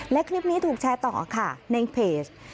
และคลิปนี้ถูกแชร์ต่อค่ะในเพจ